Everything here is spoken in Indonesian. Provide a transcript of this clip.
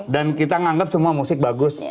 dan kita menganggap semua musik bagus